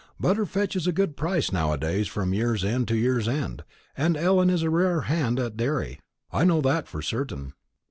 Butter fetches a good price now a days from year's end to year's end, and Ellen is a rare hand at a dairy; I know that for certain."